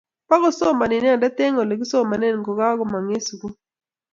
Bugosomani inendet eng olegisomanen ngogagomong eng sugul